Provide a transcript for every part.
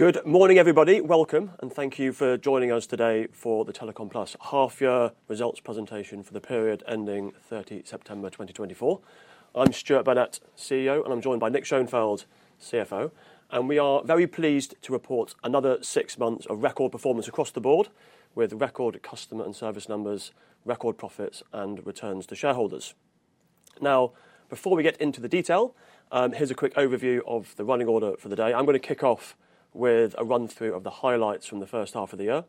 Good morning, everybody. Welcome, and thank you for joining us today for the Telecom Plus half-year results presentation for the period ending 30 September 2024. I'm Stuart Burnett, CEO, and I'm joined by Nick Schoenfeld, CFO, and we are very pleased to report another six months of record performance across the board, with record customer and service numbers, record profits, and returns to shareholders. Now, before we get into the detail, here's a quick overview of the running order for the day. I'm going to kick off with a run-through of the highlights from the first half of the year.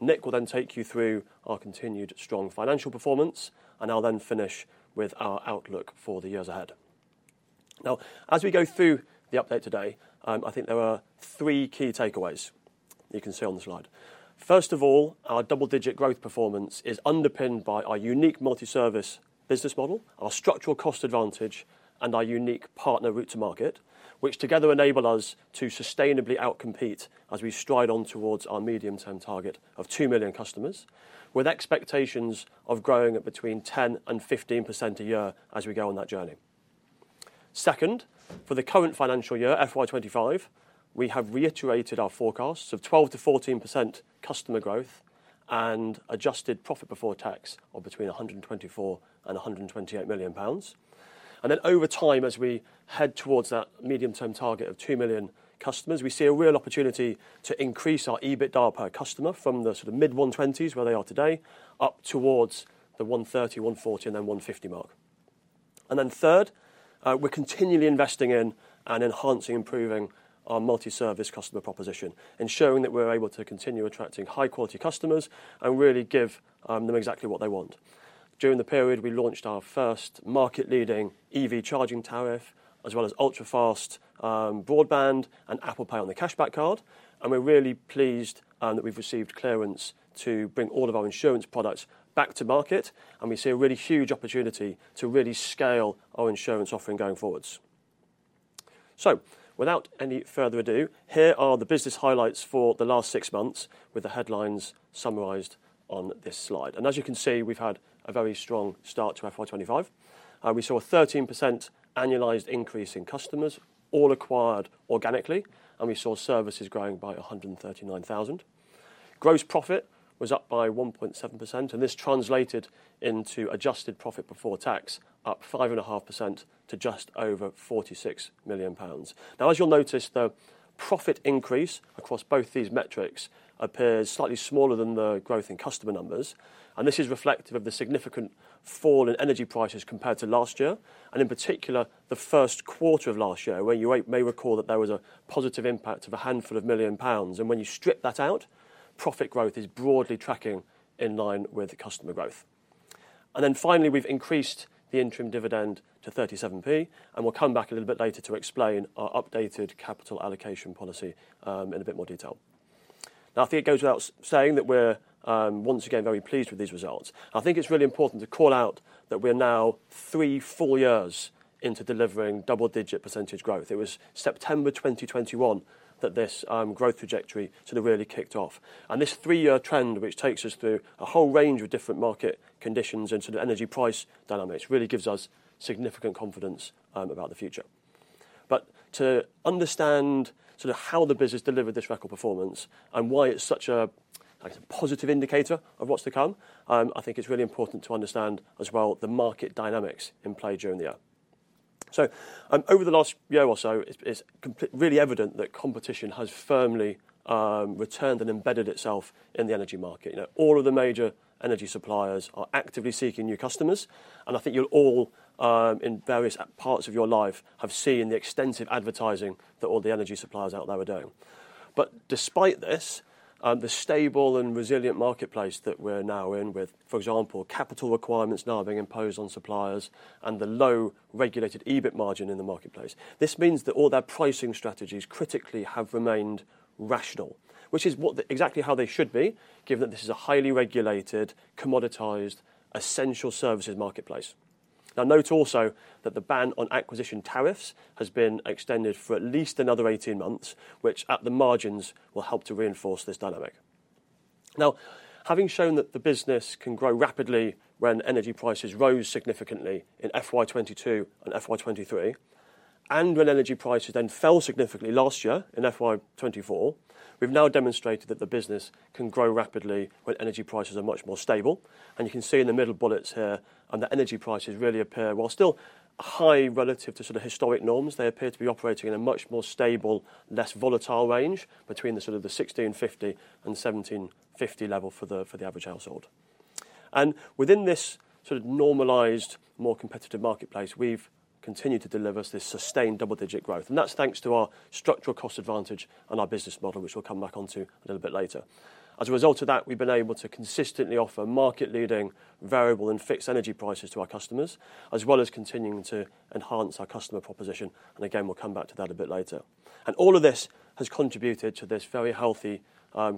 Nick will then take you through our continued strong financial performance, and I'll then finish with our outlook for the years ahead. Now, as we go through the update today, I think there are three key takeaways you can see on the slide. First of all, our double-digit growth performance is underpinned by our unique multi-service business model, our structural cost advantage, and our unique partner route to market, which together enable us to sustainably outcompete as we stride on towards our medium-term target of 2 million customers, with expectations of growing at between 10% and 15% a year as we go on that journey. Second, for the current financial year, FY25, we have reiterated our forecasts of 12%-14% customer growth and adjusted profit before tax of between 124 million and 128 million pounds, and then, over time, as we head towards that medium-term target of 2 million customers, we see a real opportunity to increase our EBITDA per customer from the sort of mid-120s, where they are today, up towards the 130, 140, and then 150 mark. And then, third, we're continually investing in and enhancing, improving our multi-service customer proposition, ensuring that we're able to continue attracting high-quality customers and really give them exactly what they want. During the period, we launched our first market-leading EV charging tariff, as well as ultrafast broadband, and Apple Pay on the Cashback Card. And we're really pleased that we've received clearance to bring all of our insurance products back to market, and we see a really huge opportunity to really scale our insurance offering going forwards. So, without any further ado, here are the business highlights for the last six months, with the headlines summarized on this slide. And as you can see, we've had a very strong start to FY25. We saw a 13% annualized increase in customers, all acquired organically, and we saw services growing by 139,000. Gross profit was up by 1.7%, and this translated into adjusted profit before tax up 5.5% to just over 46 million pounds. Now, as you'll notice, the profit increase across both these metrics appears slightly smaller than the growth in customer numbers, and this is reflective of the significant fall in energy prices compared to last year, and in particular, the first quarter of last year, when you may recall that there was a positive impact of a handful of million pounds. And when you strip that out, profit growth is broadly tracking in line with customer growth. And then, finally, we've increased the interim dividend to 37p, and we'll come back a little bit later to explain our updated capital allocation policy in a bit more detail. Now, I think it goes without saying that we're once again very pleased with these results. I think it's really important to call out that we're now three full years into delivering double-digit percentage growth. It was September 2021 that this growth trajectory sort of really kicked off, and this three-year trend, which takes us through a whole range of different market conditions and sort of energy price dynamics, really gives us significant confidence about the future, but to understand sort of how the business delivered this record performance and why it's such a positive indicator of what's to come, I think it's really important to understand as well the market dynamics in play during the year, so, over the last year or so, it's really evident that competition has firmly returned and embedded itself in the energy market. All of the major energy suppliers are actively seeking new customers, and I think you'll all, in various parts of your life, have seen the extensive advertising that all the energy suppliers out there are doing, but despite this, the stable and resilient marketplace that we're now in, with, for example, capital requirements now being imposed on suppliers and the low regulated EBIT margin in the marketplace. This means that all their pricing strategies critically have remained rational, which is exactly how they should be, given that this is a highly regulated, commoditized, essential services marketplace. Now, note also that the ban on acquisition tariffs has been extended for at least another 18 months, which, at the margins, will help to reinforce this dynamic. Now, having shown that the business can grow rapidly when energy prices rose significantly in FY22 and FY23, and when energy prices then fell significantly last year in FY24, we've now demonstrated that the business can grow rapidly when energy prices are much more stable. And you can see in the middle bullets here that energy prices really appear, while still high relative to sort of historic norms, they appear to be operating in a much more stable, less volatile range between sort of the 1650-1750 level for the average household. And within this sort of normalized, more competitive marketplace, we've continued to deliver this sustained double-digit growth, and that's thanks to our structural cost advantage and our business model, which we'll come back onto a little bit later. As a result of that, we've been able to consistently offer market-leading variable and fixed energy prices to our customers, as well as continuing to enhance our customer proposition, and again, we'll come back to that a bit later, and all of this has contributed to this very healthy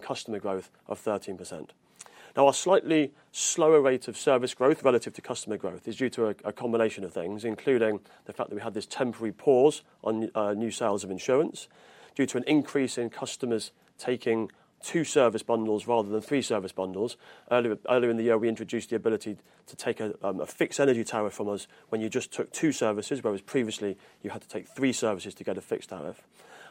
customer growth of 13%. Now, our slightly slower rate of service growth relative to customer growth is due to a combination of things, including the fact that we had this temporary pause on new sales of insurance due to an increase in customers taking two service bundles rather than three service bundles. Earlier in the year, we introduced the ability to take a fixed energy tariff from us when you just took two services, whereas previously you had to take three services to get a fixed tariff,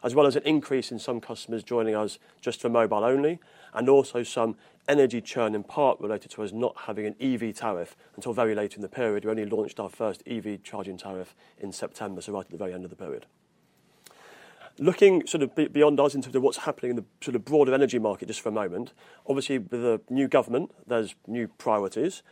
as well as an increase in some customers joining us just for mobile only, and also some energy churn in part related to us not having an EV tariff until very late in the period. We only launched our first EV charging tariff in September, so right at the very end of the period. Looking sort of beyond us into what's happening in the sort of broader energy market just for a moment, obviously with the new government, there's new priorities.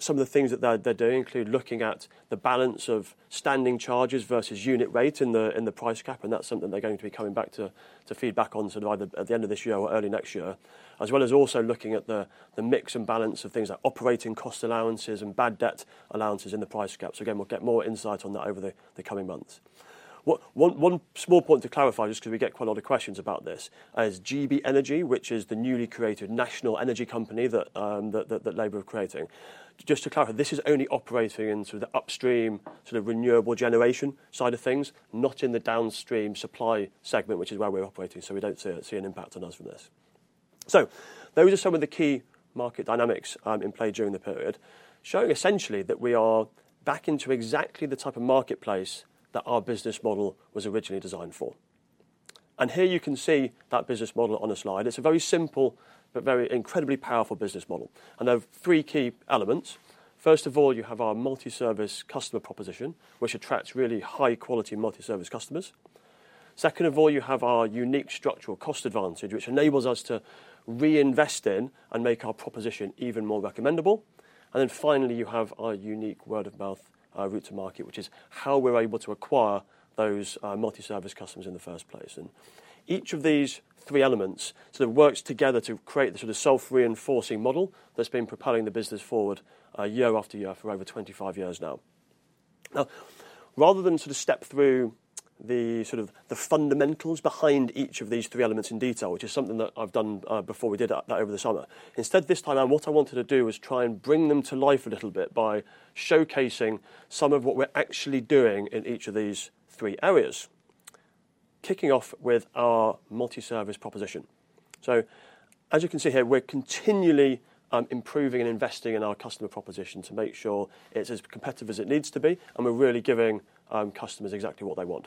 Some of the things that they're doing include looking at the balance of standing charges versus unit rate in the price cap, and that's something they're going to be coming back to feedback on sort of either at the end of this year or early next year, as well as also looking at the mix and balance of things like operating cost allowances and bad debt allowances in the price cap. So again, we'll get more insight on that over the coming months. One small point to clarify, just because we get quite a lot of questions about this, is GB Energy, which is the newly created national energy company that Labour are creating. Just to clarify, this is only operating in sort of the upstream sort of renewable generation side of things, not in the downstream supply segment, which is where we're operating, so we don't see an impact on us from this. So those are some of the key market dynamics in play during the period, showing essentially that we are back into exactly the type of marketplace that our business model was originally designed for. And here you can see that business model on a slide. It's a very simple, but very incredibly powerful business model. And there are three key elements. First of all, you have our multi-service customer proposition, which attracts really high-quality multi-service customers. Second of all, you have our unique structural cost advantage, which enables us to reinvest in and make our proposition even more recommendable. And then finally, you have our unique word-of-mouth route to market, which is how we're able to acquire those multi-service customers in the first place. And each of these three elements sort of works together to create the sort of self-reinforcing model that's been propelling the business forward year after year for over 25 years now. Now, rather than sort of step through the sort of the fundamentals behind each of these three elements in detail, which is something that I've done before we did that over the summer, instead this time what I wanted to do was try and bring them to life a little bit by showcasing some of what we're actually doing in each of these three areas, kicking off with our multi-service proposition. So as you can see here, we're continually improving and investing in our customer proposition to make sure it's as competitive as it needs to be, and we're really giving customers exactly what they want.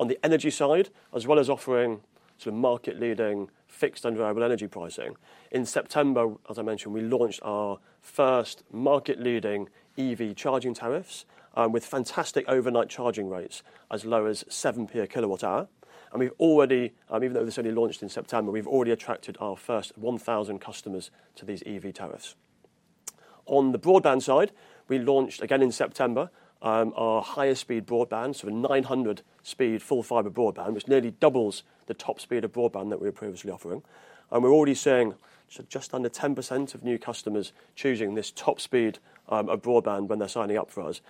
On the energy side, as well as offering sort of market-leading fixed and variable energy pricing, in September, as I mentioned, we launched our first market-leading EV charging tariffs with fantastic overnight charging rates as low as 7p a kWh. And we've already, even though this only launched in September, we've already attracted our first 1,000 customers to these EV tariffs. On the broadband side, we launched again in September our higher-speed broadband, sort of 900-speed full fibre broadband, which nearly doubles the top speed of broadband that we were previously offering. And we're already seeing just under 10% of new customers choosing this top speed of broadband when they're signing up for us.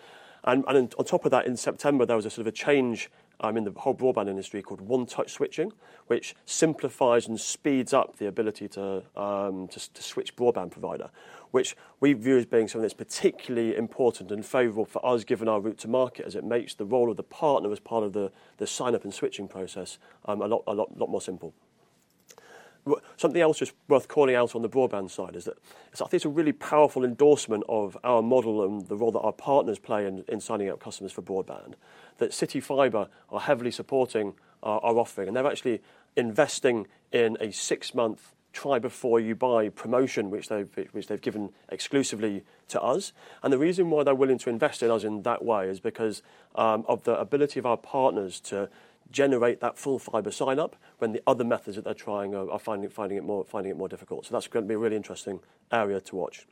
On top of that, in September, there was a sort of a change in the whole broadband industry called One Touch Switching, which simplifies and speeds up the ability to switch broadband provider, which we view as being something that's particularly important and favorable for us, given our route to market, as it makes the role of the partner as part of the sign-up and switching process a lot more simple. Something else just worth calling out on the broadband side is that I think it's a really powerful endorsement of our model and the role that our partners play in signing up customers for broadband that CityFibre are heavily supporting our offering. They're actually investing in a six-month try-before-you-buy promotion, which they've given exclusively to us. The reason why they're willing to invest in us in that way is because of the ability of our partners to generate that full fibre sign-up when the other methods that they're trying are finding it more difficult. So that's going to be a really interesting area to watch.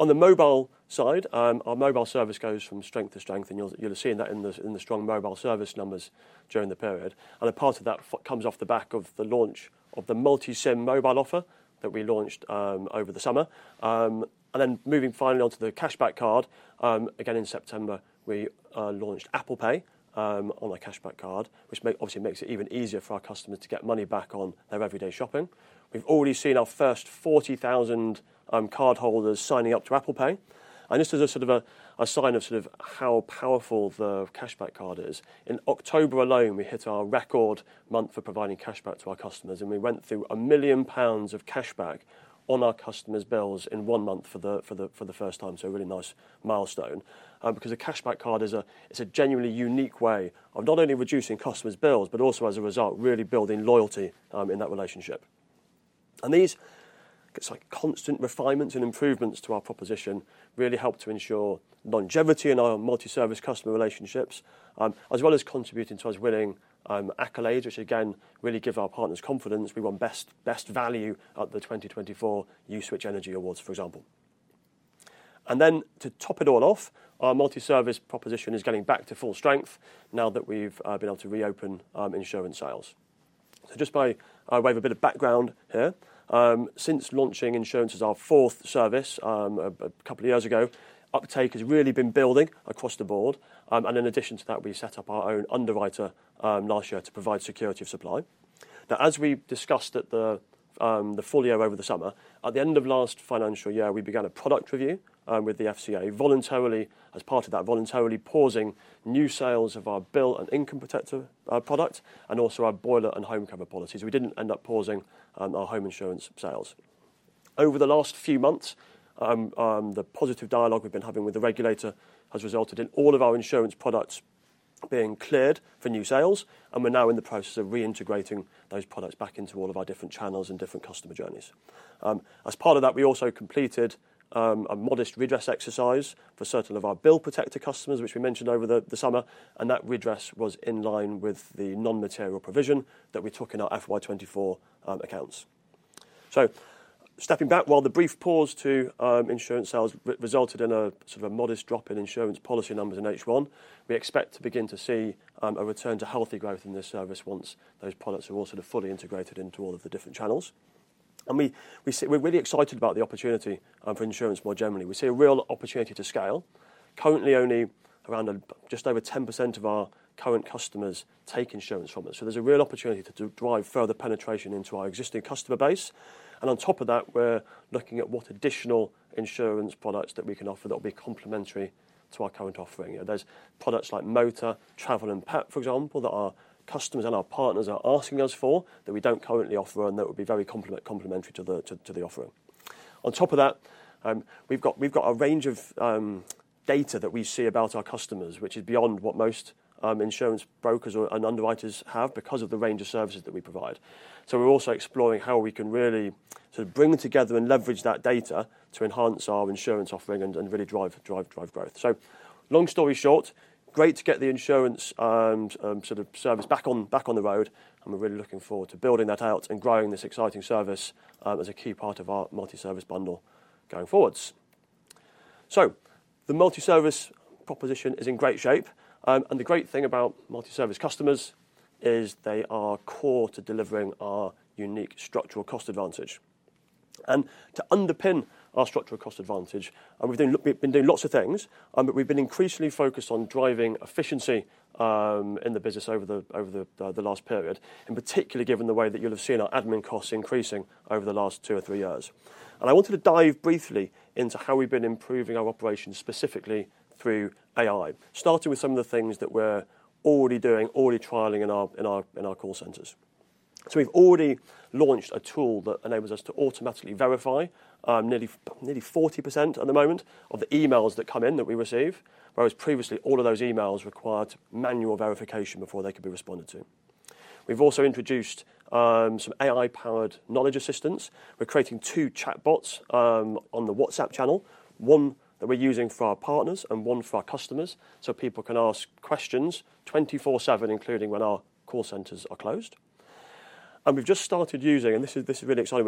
On the mobile side, our mobile service goes from strength to strength, and you'll see that in the strong mobile service numbers during the period. A part of that comes off the back of the launch of the multi-SIM mobile offer that we launched over the summer. Then moving finally onto the Cashback Card, again in September, we launched Apple Pay on our Cashback Card, which obviously makes it even easier for our customers to get money back on their everyday shopping. We've already seen our first 40,000 cardholders signing up to Apple Pay. This is a sort of a sign of sort of how powerful the Cashback Card is. In October alone, we hit our record month for providing cashback to our customers, and we went through 1 million pounds of cashback on our customers' bills in one month for the first time, so a really nice milestone, because a Cashback Card is a genuinely unique way of not only reducing customers' bills, but also, as a result, really building loyalty in that relationship. These constant refinements and improvements to our proposition really help to ensure longevity in our multi-service customer relationships, as well as contributing to us winning accolades, which again really give our partners confidence. We won best value at the 2024 Uswitch Energy Awards, for example. And then to top it all off, our multi-service proposition is getting back to full strength now that we've been able to reopen insurance sales. So just by way of a bit of background here, since launching insurance as our fourth service a couple of years ago, uptake has really been building across the board. And in addition to that, we set up our own underwriter last year to provide security of supply. Now, as we discussed at the full year over the summer, at the end of last financial year, we began a product review with the FCA. As part of that, we voluntarily paused new sales of our Bill and Income Protector product and also our Boiler & Home Cover policies. We didn't end up pausing our home insurance sales. Over the last few months, the positive dialogue we've been having with the regulator has resulted in all of our insurance products being cleared for new sales, and we're now in the process of reintegrating those products back into all of our different channels and different customer journeys. As part of that, we also completed a modest redress exercise for certain of our Bill Protector customers, which we mentioned over the summer, and that redress was in line with the non-material provision that we took in our FY24 accounts. So stepping back, while the brief pause to insurance sales resulted in a sort of modest drop in insurance policy numbers in H1, we expect to begin to see a return to healthy growth in this service once those products are all sort of fully integrated into all of the different channels. We're really excited about the opportunity for insurance more generally. We see a real opportunity to scale. Currently, only around just over 10% of our current customers take insurance from us, so there's a real opportunity to drive further penetration into our existing customer base. On top of that, we're looking at what additional insurance products that we can offer that will be complementary to our current offering. There's products like motor, travel, and pet, for example, that our customers and our partners are asking us for that we don't currently offer and that would be very complementary to the offering. On top of that, we've got a range of data that we see about our customers, which is beyond what most insurance brokers and underwriters have because of the range of services that we provide. So we're also exploring how we can really sort of bring together and leverage that data to enhance our insurance offering and really drive growth. So long story short, great to get the insurance sort of service back on the road, and we're really looking forward to building that out and growing this exciting service as a key part of our multi-service bundle going forward. So the multi-service proposition is in great shape, and the great thing about multi-service customers is they are core to delivering our unique structural cost advantage. And to underpin our structural cost advantage, we've been doing lots of things, but we've been increasingly focused on driving efficiency in the business over the last period, in particular given the way that you'll have seen our admin costs increasing over the last two or three years. And I wanted to dive briefly into how we've been improving our operations specifically through AI, starting with some of the things that we're already doing, already trialing in our call centers. So we've already launched a tool that enables us to automatically verify nearly 40% at the moment of the emails that come in that we receive, whereas previously all of those emails required manual verification before they could be responded to. We've also introduced some AI-powered knowledge assistants. We're creating two chatbots on the WhatsApp channel, one that we're using for our partners and one for our customers, so people can ask questions 24/7, including when our call centers are closed. We've just started using, and this is really exciting,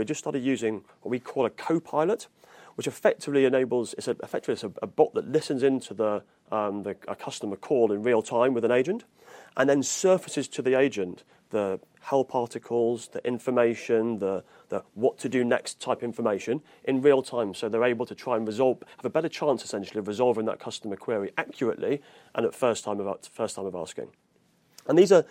what we call Copilot, which effectively enables. It's effectively a bot that listens into a customer call in real time with an agent and then surfaces to the agent the help articles, the information, the what-to-do-next type information in real time, so they're able to try and have a better chance, essentially, of resolving that customer query accurately and at first time of asking. These are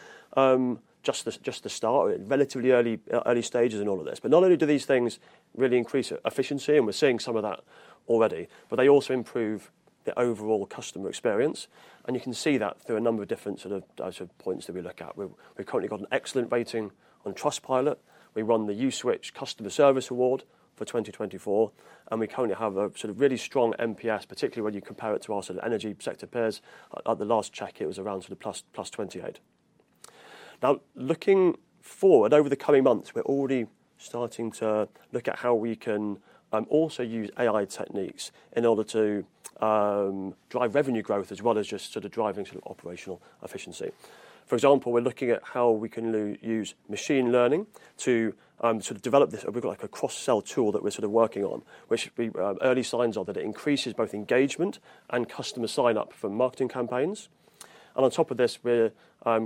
just the start, relatively early stages in all of this. Not only do these things really increase efficiency, and we're seeing some of that already, but they also improve the overall customer experience. You can see that through a number of different sort of points that we look at. We've currently got an excellent rating on Trustpilot. We run theUswitch Customer Service Award for 2024, and we currently have a sort of really strong NPS, particularly when you compare it to our sort of energy sector peers. At the last check, it was around sort of plus 28. Now, looking forward over the coming months, we're already starting to look at how we can also use AI techniques in order to drive revenue growth as well as just sort of driving sort of operational efficiency. For example, we're looking at how we can use machine learning to sort of develop this. We've got like a cross-sell tool that we're sort of working on, which early signs are that it increases both engagement and customer sign-up for marketing campaigns, and on top of this, we're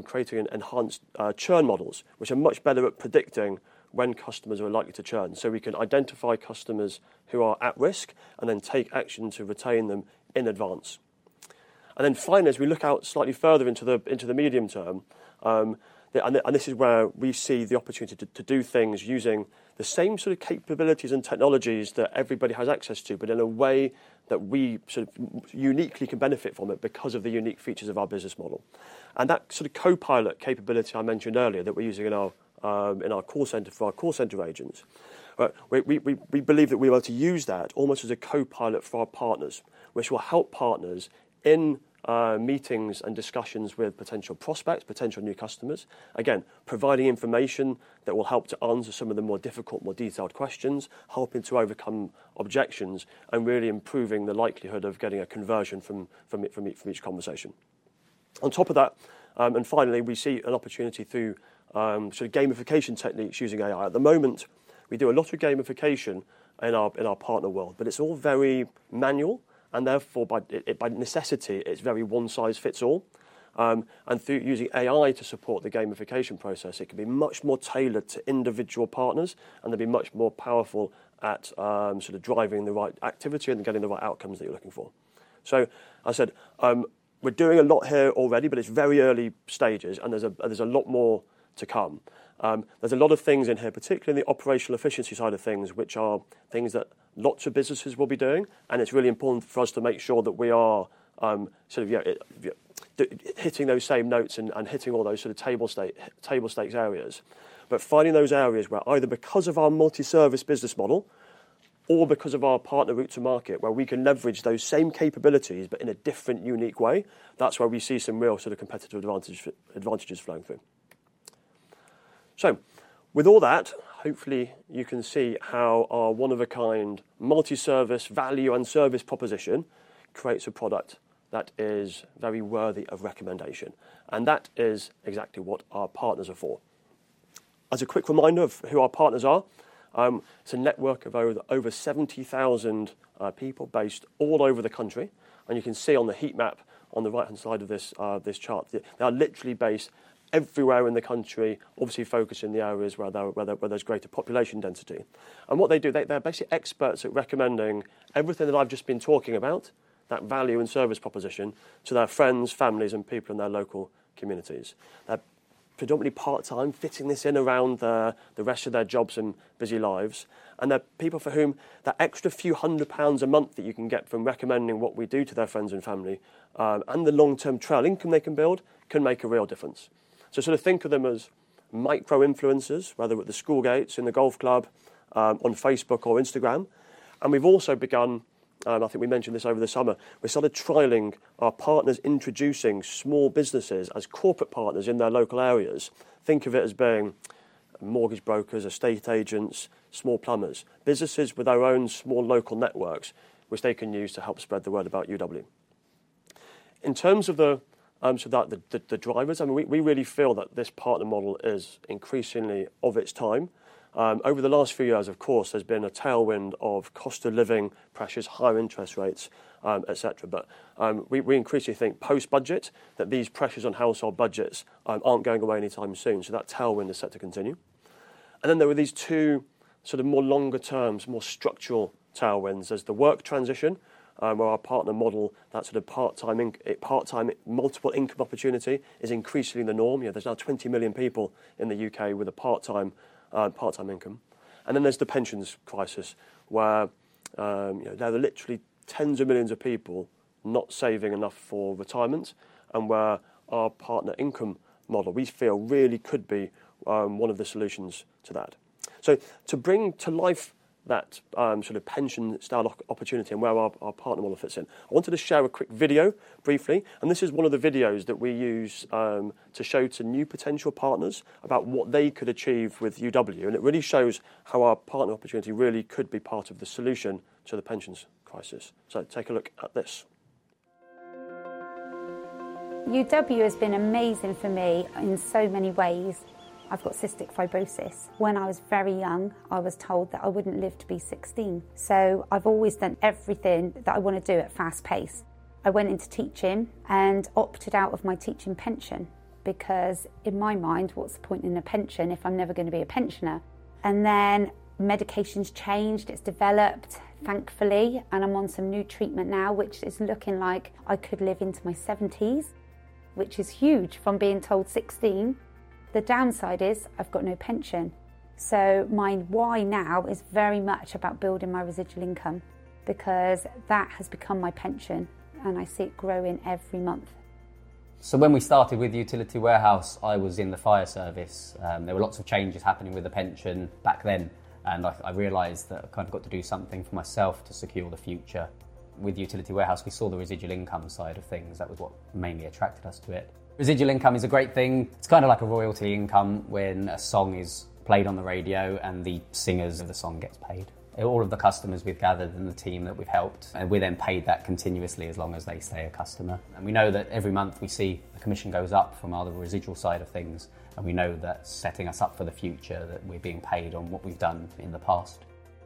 creating enhanced churn models, which are much better at predicting when customers are likely to churn. So we can identify customers who are at risk and then take action to retain them in advance. And then finally, as we look out slightly further into the medium term, and this is where we see the opportunity to do things using the same sort of capabilities and technologies that everybody has access to, but in a way that we sort of uniquely can benefit from it because of the unique features of our business model. That sort of copilot capability I mentioned earlier that we're using in our call center for our call center agents. We believe that we're able to use that almost as a copilot for our partners, which will help partners in meetings and discussions with potential prospects, potential new customers, again, providing information that will help to answer some of the more difficult, more detailed questions, helping to overcome objections, and really improving the likelihood of getting a conversion from each conversation. On top of that, and finally, we see an opportunity through sort of gamification techniques using AI. At the moment, we do a lot of gamification in our partner world, but it's all very manual, and therefore, by necessity, it's very one-size-fits-all. Through using AI to support the gamification process, it can be much more tailored to individual partners, and they'll be much more powerful at sort of driving the right activity and getting the right outcomes that you're looking for. I said, we're doing a lot here already, but it's very early stages, and there's a lot more to come. There's a lot of things in here, particularly in the operational efficiency side of things, which are things that lots of businesses will be doing, and it's really important for us to make sure that we are sort of hitting those same notes and hitting all those sort of table stakes areas. But finding those areas where either because of our multi-service business model or because of our partner route to market, where we can leverage those same capabilities but in a different, unique way, that's where we see some real sort of competitive advantages flowing through. So with all that, hopefully, you can see how our one-of-a-kind multi-service value and service proposition creates a product that is very worthy of recommendation, and that is exactly what our partners are for. As a quick reminder of who our partners are, it's a network of over 70,000 people based all over the country, and you can see on the heat map on the right-hand side of this chart, they are literally based everywhere in the country, obviously focusing on the areas where there's greater population density. What they do, they're basically experts at recommending everything that I've just been talking about, that value and service proposition, to their friends, families, and people in their local communities. They're predominantly part-time, fitting this in around the rest of their jobs and busy lives. They're people for whom that extra few hundred pounds a month that you can get from recommending what we do to their friends and family and the long-term residual income they can build can make a real difference. Sort of think of them as micro-influencers, whether at the school gates, in the golf club, on Facebook or Instagram. We've also begun, and I think we mentioned this over the summer, we're sort of trialing our partners introducing small businesses as corporate partners in their local areas. Think of it as being mortgage brokers, estate agents, small plumbers, businesses with their own small local networks, which they can use to help spread the word about UW. In terms of the drivers, I mean, we really feel that this partner model is increasingly of its time. Over the last few years, of course, there's been a tailwind of cost of living pressures, higher interest rates, etc. But we increasingly think post-budget that these pressures on household budgets aren't going away anytime soon, so that tailwind is set to continue. And then there were these two sort of more longer-term, more structural tailwinds. There's the work transition, where our partner model, that sort of part-time multiple income opportunity is increasingly the norm. There's now 20 million people in the U.K. with a part-time income. And then there's the pensions crisis, where there are literally tens of millions of people not saving enough for retirement, and where our partner income model, we feel, really could be one of the solutions to that. So to bring to life that sort of pension-style opportunity and where our partner model fits in, I wanted to share a quick video briefly. And this is one of the videos that we use to show to new potential partners about what they could achieve with UW. And it really shows how our partner opportunity really could be part of the solution to the pensions crisis. So take a look at this. UW has been amazing for me in so many ways. I've got cystic fibrosis. When I was very young, I was told that I wouldn't live to be 16, so I've always done everything that I want to do at fast pace. I went into teaching and opted out of my teaching pension because, in my mind, what's the point in a pension if I'm never going to be a pensioner, and then medications changed. It's developed, thankfully, and I'm on some new treatment now, which is looking like I could live into my 70s, which is huge from being told 16. The downside is I've got no pension, so my why now is very much about building my residual income because that has become my pension, and I see it growing every month. So when we started with the Utility Warehouse, I was in the fire service. There were lots of changes happening with the pension back then, and I realized that I kind of got to do something for myself to secure the future. With Utility Warehouse, we saw the residual income side of things. That was what mainly attracted us to it. Residual income is a great thing. It's kind of like a royalty income when a song is played on the radio and the singer of the song gets paid. All of the customers we've gathered and the team that we've helped, and we then pay that continuously as long as they stay a customer. We know that every month we see the commission goes up from our residual side of things, and we know that's setting us up for the future, that we're being paid on what we've done in the past.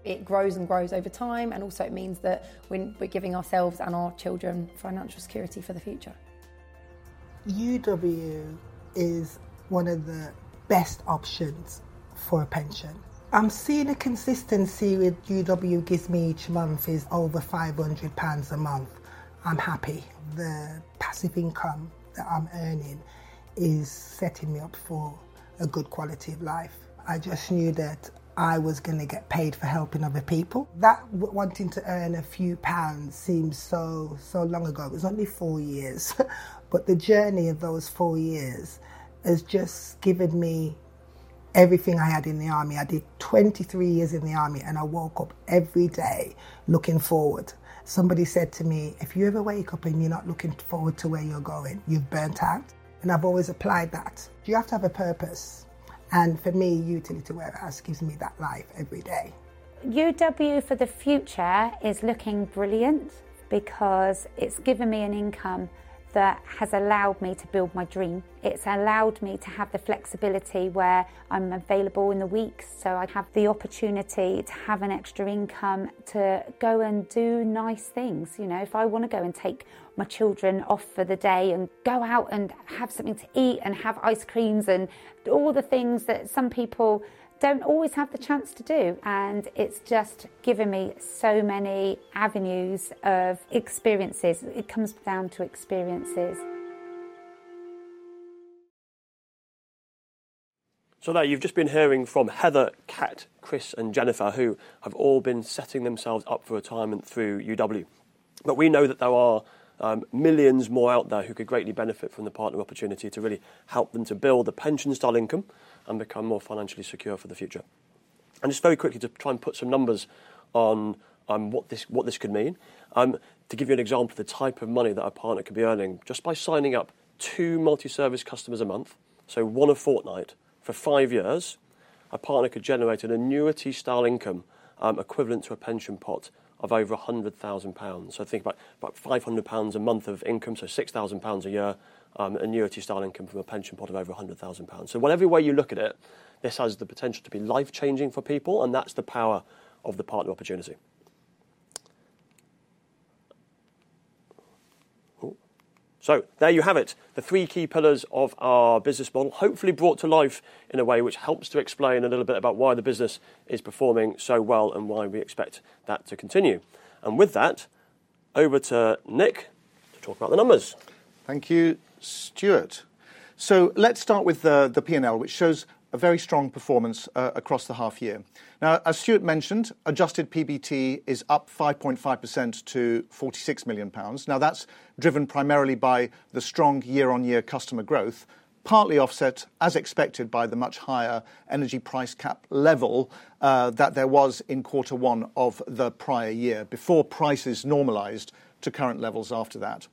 It grows and grows over time, and also it means that we're giving ourselves and our children financial security for the future. UW is one of the best options for a pension. I'm seeing a consistency with UW gives me each month is over 500 pounds a month. I'm happy. The passive income that I'm earning is setting me up for a good quality of life. I just knew that I was going to get paid for helping other people. That wanting to earn a few pounds seems so, so long ago. It was only four years, but the journey of those four years has just given me everything I had in the army. I did 23 years in the army, and I woke up every day looking forward. Somebody said to me, "If you ever wake up and you're not looking forward to where you're going, you've burned out." And I've always applied that. You have to have a purpose. And for me, Utility Warehouse gives me that life every day. UW for the future is looking brilliant because it's given me an income that has allowed me to build my dream. It's allowed me to have the flexibility where I'm available in the weeks, so I have the opportunity to have an extra income to go and do nice things. If I want to go and take my children off for the day and go out and have something to eat and have ice creams and all the things that some people don't always have the chance to do. And it's just given me so many avenues of experiences. It comes down to experiences. So, there, you've just been hearing from Heather, Kat, Chris, and Jennifer, who have all been setting themselves up for retirement through UW. But we know that there are millions more out there who could greatly benefit from the partner opportunity to really help them to build a pensions-style income and become more financially secure for the future. And just very quickly to try and put some numbers on what this could mean, to give you an example of the type of money that a partner could be earning just by signing up two multi-service customers a month, so over five years, a partner could generate an annuity-style income equivalent to a pension pot of over 100,000 pounds. So think about 500 pounds a month of income, so 6,000 pounds a year, annuity-style income from a pension pot of over 100,000 pounds. So whatever way you look at it, this has the potential to be life-changing for people, and that's the power of the partner opportunity. So there you have it, the three key pillars of our business model, hopefully brought to life in a way which helps to explain a little bit about why the business is performing so well and why we expect that to continue. And with that, over to Nick to talk about the numbers. Thank you, Stuart. Let's start with the P&L, which shows a very strong performance across the half year. Now, as Stuart mentioned, adjusted PBT is up 5.5% to 46 million pounds. Now, that's driven primarily by the strong year-on-year customer growth, partly offset, as expected, by the much higher energy price cap level that there was in quarter one of the prior year before prices normalized to current levels after that.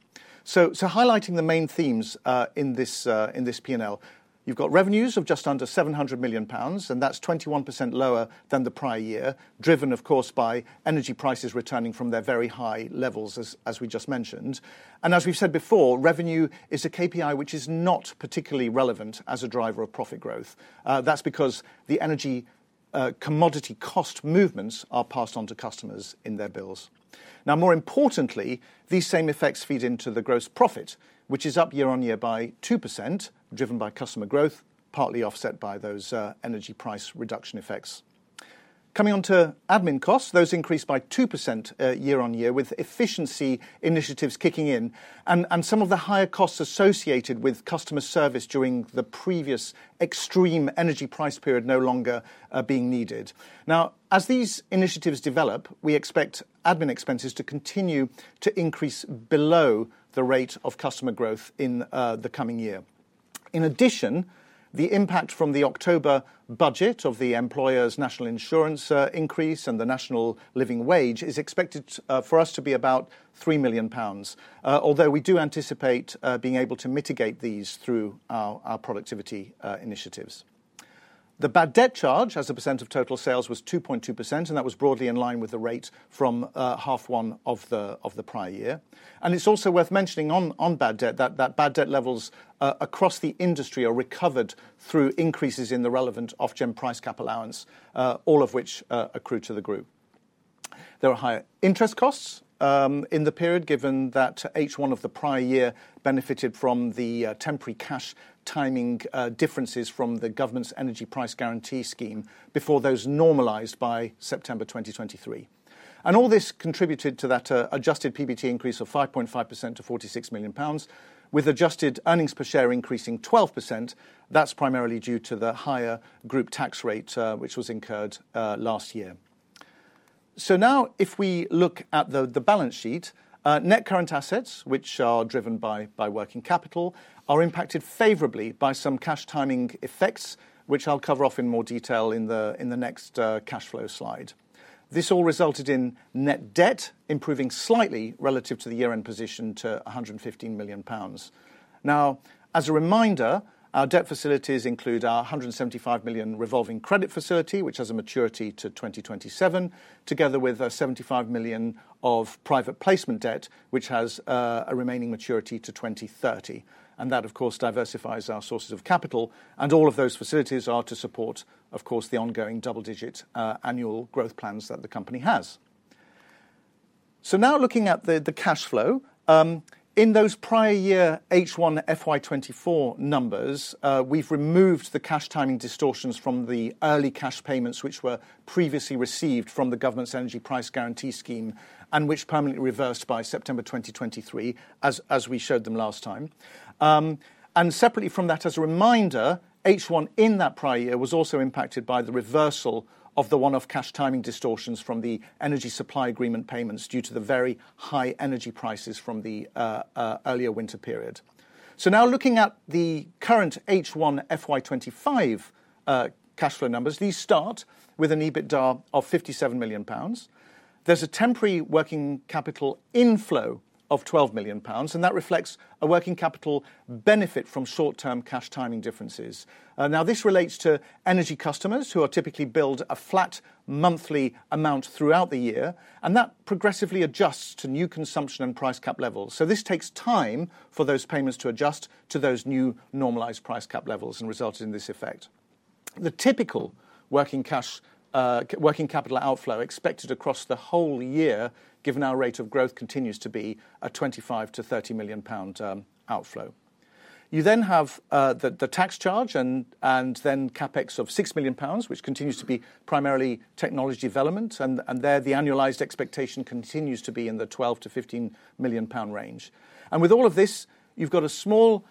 Highlighting the main themes in this P&L, you've got revenues of just under 700 million pounds, and that's 21% lower than the prior year, driven, of course, by energy prices returning from their very high levels, as we just mentioned. And as we've said before, revenue is a KPI which is not particularly relevant as a driver of profit growth. That's because the energy commodity cost movements are passed on to customers in their bills. Now, more importantly, these same effects feed into the gross profit, which is up year-on-year by 2%, driven by customer growth, partly offset by those energy price reduction effects. Coming on to admin costs, those increased by 2% year-on-year with efficiency initiatives kicking in and some of the higher costs associated with customer service during the previous extreme energy price period no longer being needed. Now, as these initiatives develop, we expect admin expenses to continue to increase below the rate of customer growth in the coming year. In addition, the impact from the October budget of the Employers' National Insurance increase and the National Living Wage is expected for us to be about 3 million pounds, although we do anticipate being able to mitigate these through our productivity initiatives. The bad debt charge as a percent of total sales was 2.2%, and that was broadly in line with the rate from half one of the prior year. And it's also worth mentioning on bad debt that bad debt levels across the industry are recovered through increases in the relevant Ofgem price cap allowance, all of which accrue to the group. There are higher interest costs in the period, given that each one of the prior year benefited from the temporary cash timing differences from the government's Energy Price Guarantee scheme before those normalized by September 2023. And all this contributed to that adjusted PBT increase of 5.5% to 46 million pounds, with adjusted earnings per share increasing 12%. That's primarily due to the higher group tax rate, which was incurred last year. Now, if we look at the balance sheet, net current assets, which are driven by working capital, are impacted favorably by some cash timing effects, which I'll cover off in more detail in the next cash flow slide. This all resulted in net debt improving slightly relative to the year-end position to 115 million pounds. Now, as a reminder, our debt facilities include our 175 million revolving credit facility, which has a maturity to 2027, together with 75 million of private placement debt, which has a remaining maturity to 2030. That, of course, diversifies our sources of capital. All of those facilities are to support, of course, the ongoing double-digit annual growth plans that the company has. So now looking at the cash flow, in those prior year H1 FY24 numbers, we've removed the cash timing distortions from the early cash payments, which were previously received from the government's Energy Price Guarantee scheme and which permanently reversed by September 2023, as we showed them last time. And separately from that, as a reminder, H1 in that prior year was also impacted by the reversal of the one-off cash timing distortions from the energy supply agreement payments due to the very high energy prices from the earlier winter period. So now looking at the current H1 FY25 cash flow numbers, these start with an EBITDA of 57 million pounds. There's a temporary working capital inflow of 12 million pounds, and that reflects a working capital benefit from short-term cash timing differences. Now, this relates to energy customers who are typically billed a flat monthly amount throughout the year, and that progressively adjusts to new consumption and price cap levels. So this takes time for those payments to adjust to those new normalized price cap levels and result in this effect. The typical working capital outflow expected across the whole year, given our rate of growth, continues to be a 25-30 million pound outflow. You then have the tax charge and then CapEx of 6 million pounds, which continues to be primarily technology development, and there the annualized expectation continues to be in the 12-15 million pound range. And with all of this, you've got a small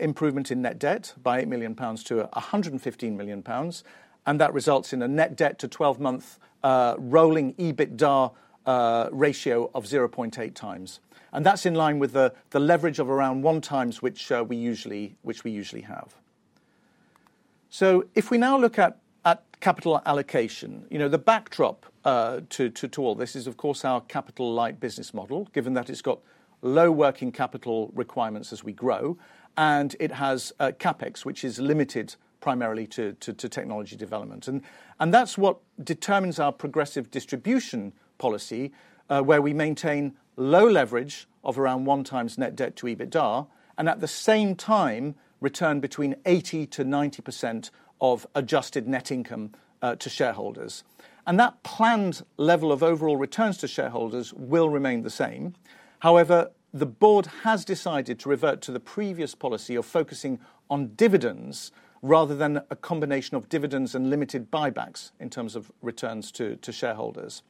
improvement in net debt by 8 million pounds- 115 million pounds, and that results in a net debt to 12-month rolling EBITDA ratio of 0.8 times. And that's in line with the leverage of around one times which we usually have. So if we now look at capital allocation, the backdrop to all this is, of course, our capital light business model, given that it's got low working capital requirements as we grow, and it has CapEx, which is limited primarily to technology development. And that's what determines our progressive distribution policy, where we maintain low leverage of around one times net debt to EBITDA and at the same time return between 80%-90% of adjusted net income to shareholders. And that planned level of overall returns to shareholders will remain the same. However, the board has decided to revert to the previous policy of focusing on dividends rather than a combination of dividends and limited buybacks in terms of returns to shareholders.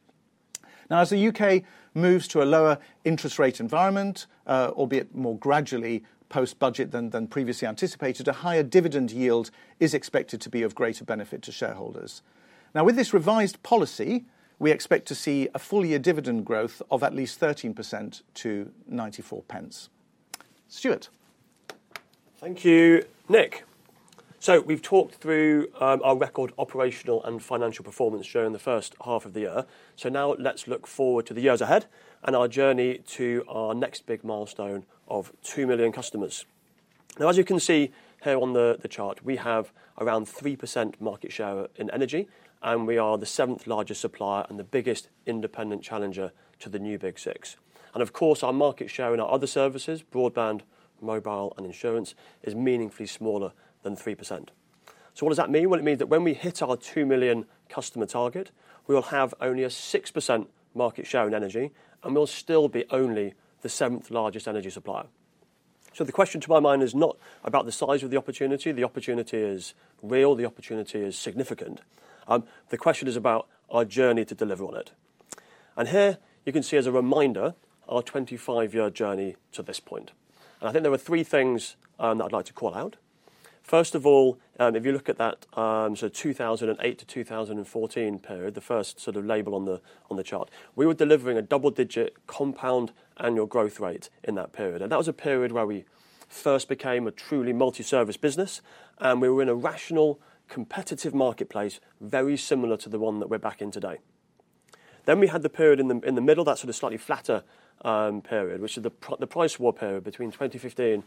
Now, as the U.K. moves to a lower interest rate environment, albeit more gradually post-budget than previously anticipated, a higher dividend yield is expected to be of greater benefit to shareholders. Now, with this revised policy, we expect to see a full year dividend growth of at least 13% to 0.94. Stuart. Thank you, Nick. So we've talked through our record operational and financial performance during the first half of the year. So now let's look forward to the years ahead and our journey to our next big milestone of 2 million customers. Now, as you can see here on the chart, we have around 3% market share in energy, and we are the seventh largest supplier and the biggest independent challenger to the new Big Six. And of course, our market share in our other services, broadband, mobile, and insurance, is meaningfully smaller than 3%. So what does that mean? Well, it means that when we hit our 2 million customer target, we will have only a 6% market share in energy, and we'll still be only the seventh largest energy supplier. So the question to my mind is not about the size of the opportunity. The opportunity is real. The opportunity is significant. The question is about our journey to deliver on it, and here you can see as a reminder our 25-year journey to this point, and I think there were three things that I'd like to call out. First of all, if you look at that sort of 2008 to 2014 period, the first sort of label on the chart, we were delivering a double-digit compound annual growth rate in that period, and that was a period where we first became a truly multi-service business, and we were in a rational competitive marketplace very similar to the one that we're back in today, then we had the period in the middle, that sort of slightly flatter period, which is the price war period between 2015 and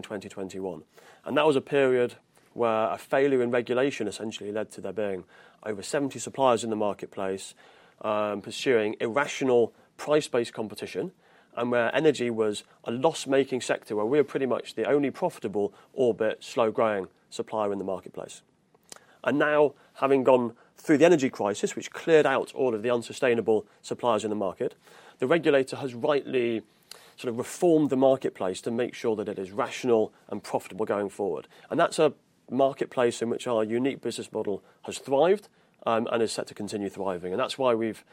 2021. And that was a period where a failure in regulation essentially led to there being over 70 suppliers in the marketplace pursuing irrational price-based competition and where energy was a loss-making sector where we were pretty much the only profitable or the slow-growing supplier in the marketplace. And now, having gone through the energy crisis, which cleared out all of the unsustainable suppliers in the market, the regulator has rightly sort of reformed the marketplace to make sure that it is rational and profitable going forward. And that's a marketplace in which our unique business model has thrived and is set to continue thriving. And that's why we've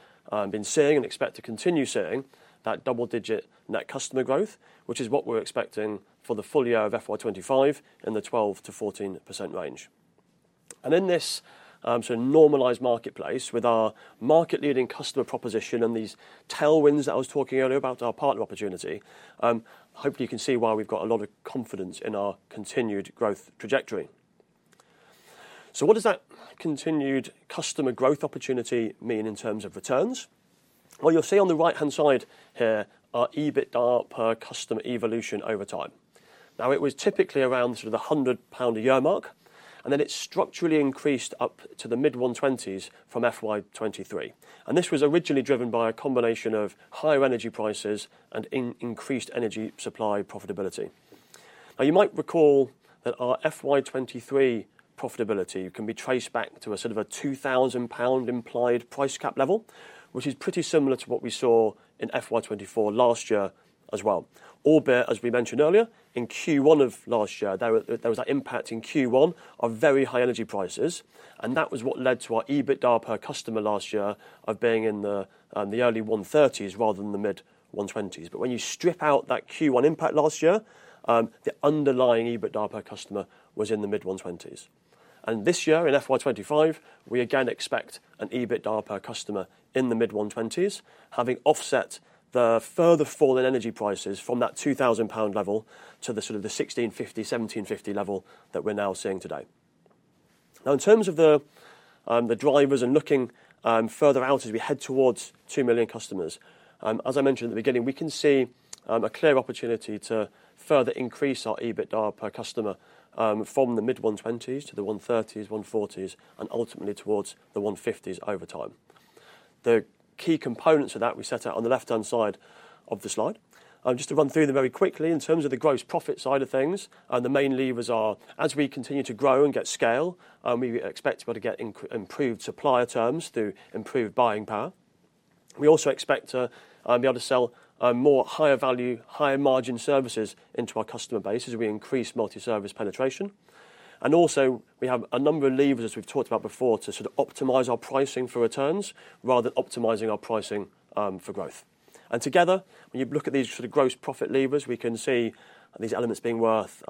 been seeing and expect to continue seeing that double-digit net customer growth, which is what we're expecting for the full year of FY25 in the 12%-14% range. In this sort of normalized marketplace with our market-leading customer proposition and these tailwinds that I was talking earlier about our partner opportunity, hopefully you can see why we've got a lot of confidence in our continued growth trajectory. What does that continued customer growth opportunity mean in terms of returns? You'll see on the right-hand side here our EBITDA per customer evolution over time. Now, it was typically around sort of the 100 pound a year mark, and then it structurally increased up to the mid-120s from FY23. This was originally driven by a combination of higher energy prices and increased energy supply profitability. Now, you might recall that our FY23 profitability can be traced back to a sort of a 2,000 pound implied price cap level, which is pretty similar to what we saw in FY24 last year as well. Albeit, as we mentioned earlier, in Q1 of last year, there was that impact in Q1 of very high energy prices, and that was what led to our EBITDA per customer last year of being in the early 130s rather than the mid-120s. But when you strip out that Q1 impact last year, the underlying EBITDA per customer was in the mid-120s. And this year in FY25, we again expect an EBITDA per customer in the mid-120s, having offset the further fall in energy prices from that 2,000 pound level to the sort of the 1,650, 1,750 level that we're now seeing today. Now, in terms of the drivers and looking further out as we head towards two million customers, as I mentioned at the beginning, we can see a clear opportunity to further increase our EBITDA per customer from the mid-120s to the 130s, 140s, and ultimately towards the 150s over time. The key components of that we set out on the left-hand side of the slide. Just to run through them very quickly, in terms of the gross profit side of things, the main levers are, as we continue to grow and get scale, we expect to be able to get improved supplier terms through improved buying power. We also expect to be able to sell more higher value, higher margin services into our customer base as we increase multi-service penetration. And also, we have a number of levers, as we've talked about before, to sort of optimize our pricing for returns rather than optimizing our pricing for growth. And together, when you look at these sort of gross profit levers, we can see these elements being worth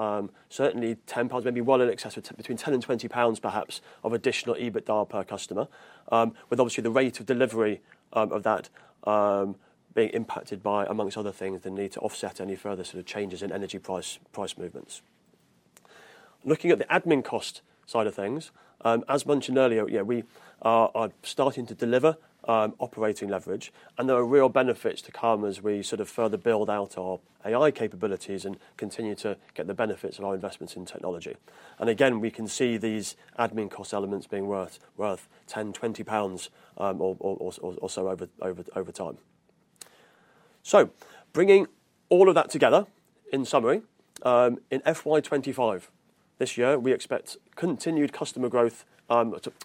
certainly 10 pounds, maybe well in excess, between 10 and 20 pounds perhaps of additional EBITDA per customer, with obviously the rate of delivery of that being impacted by, among other things, the need to offset any further sort of changes in energy price movements. Looking at the admin cost side of things, as mentioned earlier, we are starting to deliver operating leverage, and there are real benefits to come as we sort of further build out our AI capabilities and continue to get the benefits of our investments in technology. Again, we can see these admin cost elements being worth 10, 20 pounds or so over time. So bringing all of that together, in summary, in FY25 this year, we expect continued customer growth.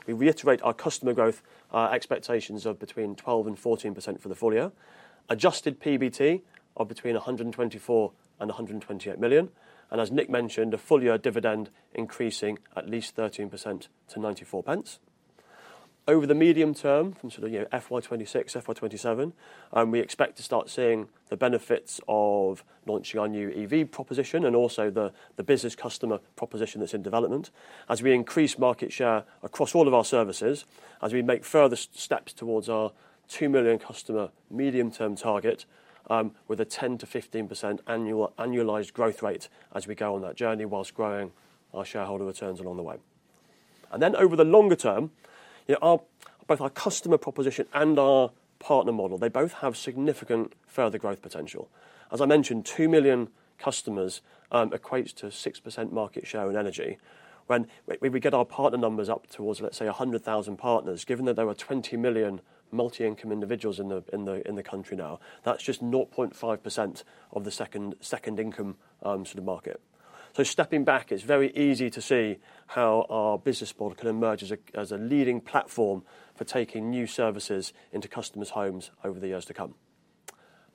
We reiterate our customer growth expectations of between 12% and 14% for the full year, adjusted PBT of between 124 and 128 million, and as Nick mentioned, a full year dividend increasing at least 13% to 94 pence. Over the medium term from sort of FY26, FY27, we expect to start seeing the benefits of launching our new EV proposition and also the business customer proposition that's in development as we increase market share across all of our services, as we make further steps towards our 2 million customer medium-term target with a 10%-15% annualized growth rate as we go on that journey while growing our shareholder returns along the way. Then over the longer term, both our customer proposition and our partner model, they both have significant further growth potential. As I mentioned, 2 million customers equates to 6% market share in energy. When we get our partner numbers up towards, let's say, 100,000 partners, given that there are 20 million multi-income individuals in the country now, that's just 0.5% of the second income sort of market. Stepping back, it's very easy to see how our business model can emerge as a leading platform for taking new services into customers' homes over the years to come.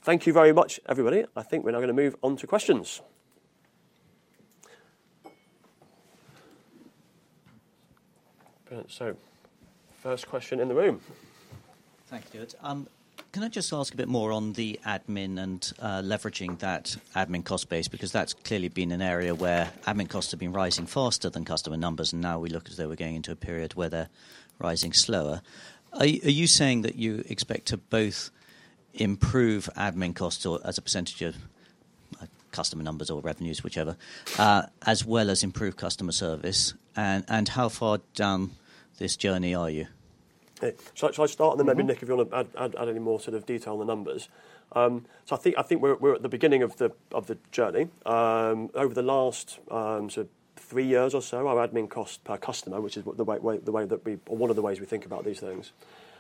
Thank you very much, everybody. I think we're now going to move on to questions. First question in the room. Thank you, Stuart. Can I just ask a bit more on the admin and leveraging that admin cost base, because that's clearly been an area where admin costs have been rising faster than customer numbers, and now we look as though we're going into a period where they're rising slower. Are you saying that you expect to both improve admin costs as a percentage of customer numbers or revenues, whichever, as well as improve customer service? And how far down this journey are you? Shall I start? And then maybe, Nick, if you want to add any more sort of detail on the numbers. So I think we're at the beginning of the journey. Over the last sort of three years or so, our admin cost per customer, which is the way that we, or one of the ways we think about these things,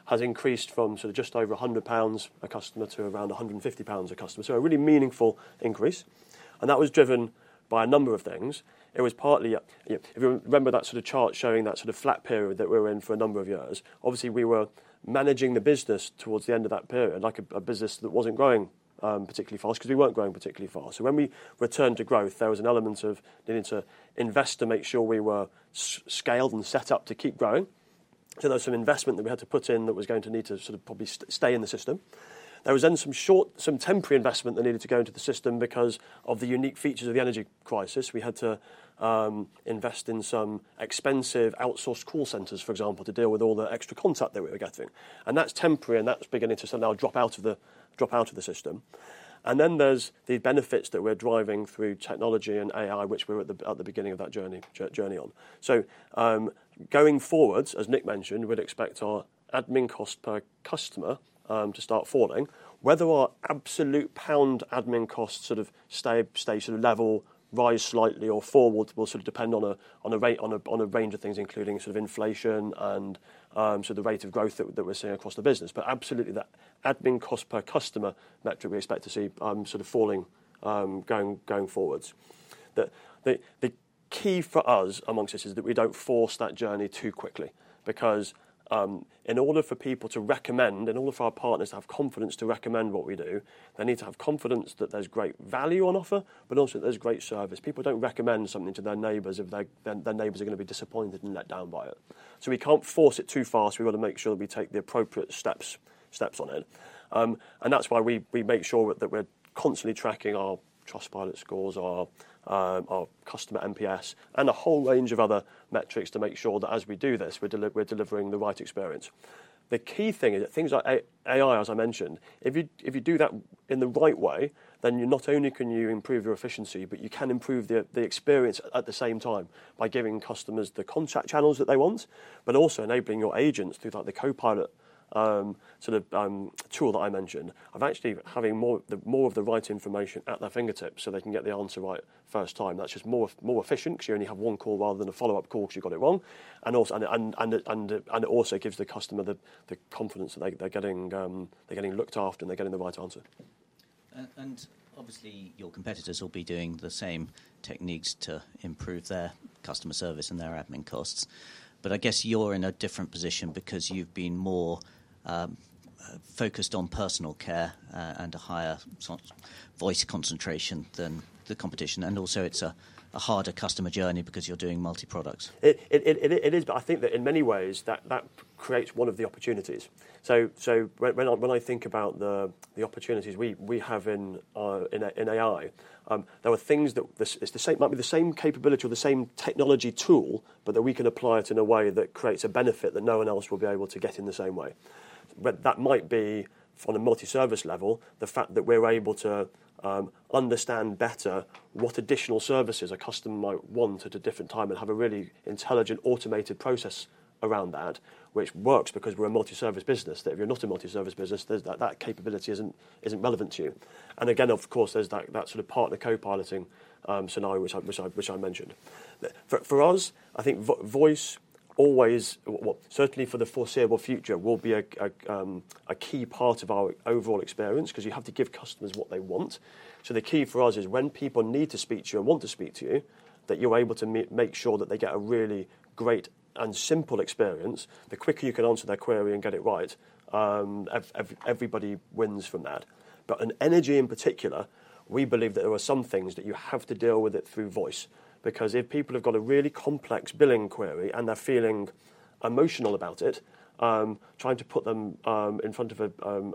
has increased from sort of just over 100 pounds a customer to around 150 pounds a customer. So a really meaningful increase. And that was driven by a number of things. It was partly, if you remember that sort of chart showing that sort of flat period that we were in for a number of years, obviously we were managing the business towards the end of that period, like a business that wasn't growing particularly fast because we weren't growing particularly fast. So when we returned to growth, there was an element of needing to invest to make sure we were scaled and set up to keep growing. So there was some investment that we had to put in that was going to need to sort of probably stay in the system. There was then some temporary investment that needed to go into the system because of the unique features of the energy crisis. We had to invest in some expensive outsourced call centers, for example, to deal with all the extra contact that we were getting. And that's temporary, and that's beginning to sort of now drop out of the system. And then there's the benefits that we're driving through technology and AI, which we were at the beginning of that journey on. So going forwards, as Nick mentioned, we'd expect our admin cost per customer to start falling. Whether our absolute pound admin costs sort of stay sort of level, rise slightly, or fall will sort of depend on a range of things, including sort of inflation and sort of the rate of growth that we're seeing across the business but absolutely, that admin cost per customer metric, we expect to see sort of falling going forward. The key for us is that we don't force that journey too quickly because in order for people to recommend, in order for our partners to have confidence to recommend what we do, they need to have confidence that there's great value on offer, but also that there's great service. People don't recommend something to their neighbors if their neighbors are going to be disappointed and let down by it, so we can't force it too fast. We want to make sure that we take the appropriate steps on it. And that's why we make sure that we're constantly tracking our Trustpilot scores, our customer NPS, and a whole range of other metrics to make sure that as we do this, we're delivering the right experience. The key thing is that things like AI, as I mentioned, if you do that in the right way, then you not only can improve your efficiency, but you can improve the experience at the same time by giving customers the contact channels that they want, but also enabling your agents through the Copilot sort of tool that I mentioned of actually having more of the right information at their fingertips so they can get the answer right first time. That's just more efficient because you only have one call rather than a follow-up call because you got it wrong, and it also gives the customer the confidence that they're getting looked after and they're getting the right answer. Obviously, your competitors will be doing the same techniques to improve their customer service and their admin costs. But I guess you're in a different position because you've been more focused on personal care and a higher voice concentration than the competition. Also, it's a harder customer journey because you're doing multi-products. It is, but I think that in many ways, that creates one of the opportunities. So when I think about the opportunities we have in AI, there are things that might be the same capability or the same technology tool, but that we can apply it in a way that creates a benefit that no one else will be able to get in the same way. That might be, on a multi-service level, the fact that we're able to understand better what additional services a customer might want at a different time and have a really intelligent automated process around that, which works because we're a multi-service business. If you're not a multi-service business, that capability isn't relevant to you. And again, of course, there's that sort of partner copiloting scenario which I mentioned. For us, I think voice always, certainly for the foreseeable future, will be a key part of our overall experience because you have to give customers what they want. So the key for us is when people need to speak to you and want to speak to you, that you're able to make sure that they get a really great and simple experience. The quicker you can answer their query and get it right, everybody wins from that. But in energy in particular, we believe that there are some things that you have to deal with it through voice because if people have got a really complex billing query and they're feeling emotional about it, trying to put them in front of a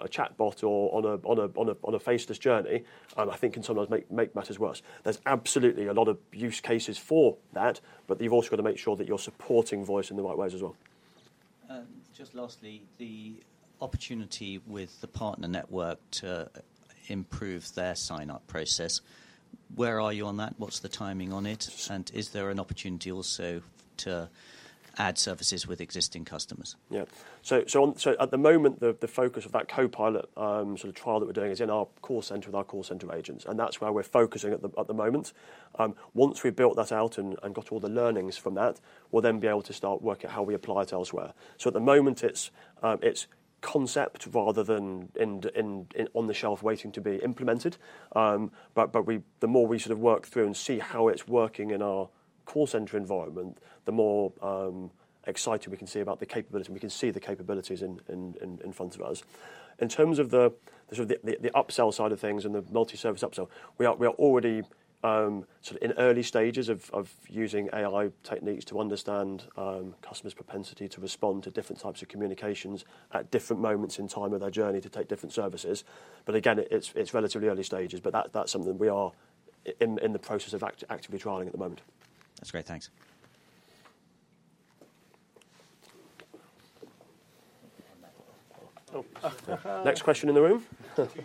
chatbot or on a faceless journey, I think can sometimes make matters worse. There's absolutely a lot of use cases for that, but you've also got to make sure that you're supporting voice in the right ways as well. Just lastly, the opportunity with the partner network to improve their sign-up process. Where are you on that? What's the timing on it? And is there an opportunity also to add services with existing customers? Yeah, so at the moment, the focus of that Copilot sort of trial that we're doing is in our call center with our call center agents, and that's where we're focusing at the moment. Once we've built that out and got all the learnings from that, we'll then be able to start working at how we apply it elsewhere, so at the moment, it's concept rather than on the shelf waiting to be implemented, but the more we sort of work through and see how it's working in our call center environment, the more excited we can see about the capabilities and we can see the capabilities in front of us. In terms of the upsell side of things and the multi-service upsell, we are already sort of in early stages of using AI techniques to understand customers' propensity to respond to different types of communications at different moments in time of their journey to take different services. But again, it's relatively early stages, but that's something we are in the process of actively trialing at the moment. That's great. Thanks. Next question in the room. Thank you.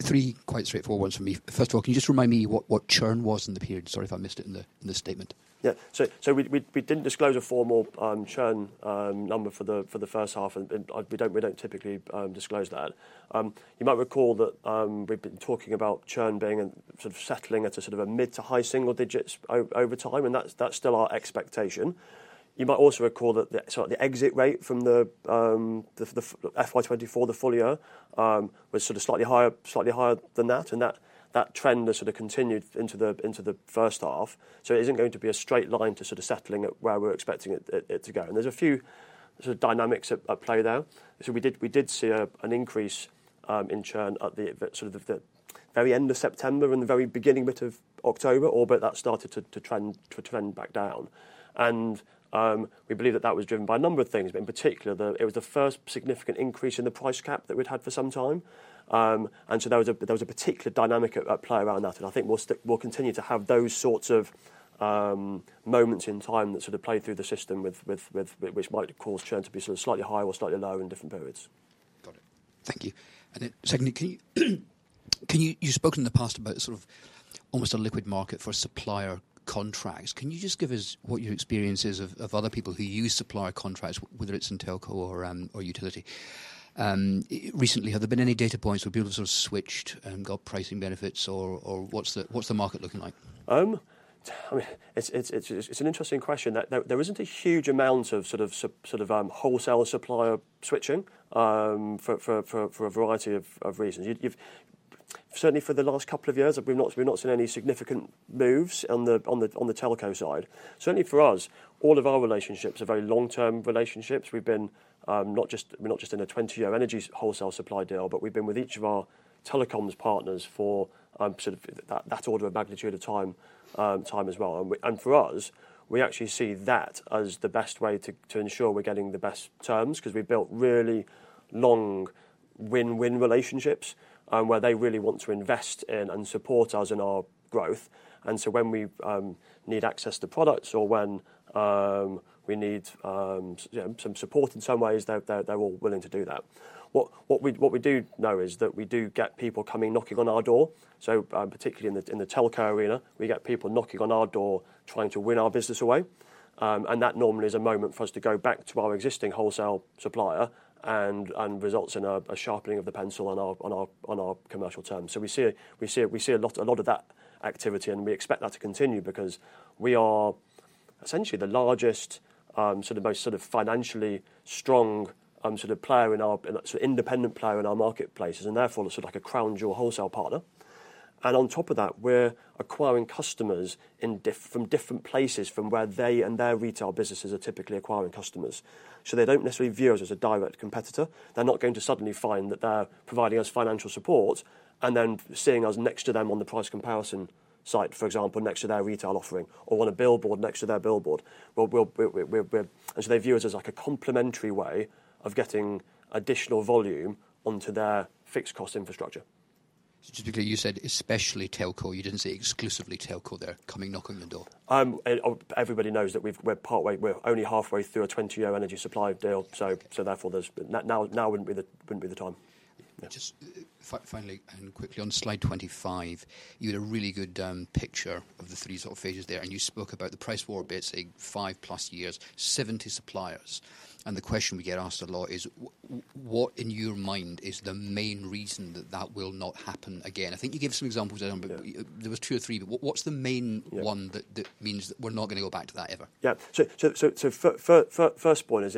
Three quite straightforward ones from me. First of all, can you just remind me what churn was in the period? Sorry if I missed it in the statement. Yeah. So we didn't disclose a formal churn number for the first half, and we don't typically disclose that. You might recall that we've been talking about churn being sort of settling at a sort of mid to high single digits over time, and that's still our expectation. You might also recall that the exit rate from the FY24, the full year, was sort of slightly higher than that, and that trend has sort of continued into the first half. So it isn't going to be a straight line to sort of settling at where we're expecting it to go. And there's a few sort of dynamics at play there. So we did see an increase in churn at the sort of very end of September and the very beginning bit of October, although that started to trend back down. We believe that that was driven by a number of things, but in particular, it was the first significant increase in the price cap that we'd had for some time. There was a particular dynamic at play around that. I think we'll continue to have those sorts of moments in time that sort of play through the system, which might cause churn to be sort of slightly higher or slightly lower in different periods. Got it. Thank you. And secondly, you spoke in the past about sort of almost a liquid market for supplier contracts. Can you just give us what your experience is of other people who use supplier contracts, whether it's in telco or utility? Recently, have there been any data points where people have sort of switched and got pricing benefits, or what's the market looking like? It's an interesting question. There isn't a huge amount of sort of wholesale supplier switching for a variety of reasons. Certainly, for the last couple of years, we've not seen any significant moves on the telco side. Certainly, for us, all of our relationships are very long-term relationships. We've been not just in a 20-year energy wholesale supply deal, but we've been with each of our telecoms partners for sort of that order of magnitude of time as well. And for us, we actually see that as the best way to ensure we're getting the best terms because we've built really long win-win relationships where they really want to invest in and support us in our growth. And so when we need access to products or when we need some support in some ways, they're all willing to do that. What we do know is that we do get people coming knocking on our door. So particularly in the telco arena, we get people knocking on our door trying to win our business away. And that normally is a moment for us to go back to our existing wholesale supplier and results in a sharpening of the pencil on our commercial terms. So we see a lot of that activity, and we expect that to continue because we are essentially the largest, sort of most sort of financially strong sort of player in our sort of independent player in our marketplace, and therefore sort of like a crown jewel wholesale partner. And on top of that, we're acquiring customers from different places from where they and their retail businesses are typically acquiring customers. So they don't necessarily view us as a direct competitor. They're not going to suddenly find that they're providing us financial support and then seeing us next to them on the price comparison site, for example, next to their retail offering or on a billboard next to their billboard, and so they view us as like a complementary way of getting additional volume onto their fixed cost infrastructure. So, typically, you said especially telco. You didn't say exclusively telco. They're coming knocking on the door. Everybody knows that we're only halfway through a 20-year energy supply deal. So therefore, now wouldn't be the time. Just finally and quickly on slide 25, you had a really good picture of the three sort of phases there, and you spoke about the price war, basically five plus years, 70 suppliers, and the question we get asked a lot is, what in your mind is the main reason that that will not happen again? I think you gave some examples. There was two or three, but what's the main one that means that we're not going to go back to that ever? Yeah. So first point is